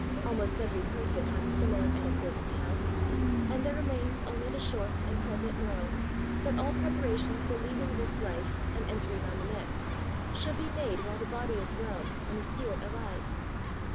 Almost every person has a similar anecdote to tell; and there remains only the short and pregnant moral, that all preparations for leaving this life, and entering on the next^ f3 106 ESSAYS. should be made while the body is well and the spirit alive.